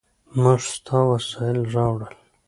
موږ ستا وسایل راوړل.